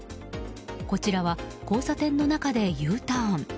こちらは交差点の中でＵターン。